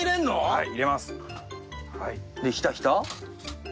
はい。